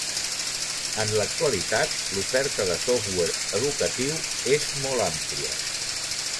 En l’actualitat, l’oferta de software educatiu és molt àmplia.